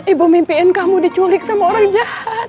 ibu mimpiin kamu diculik sama orang jahat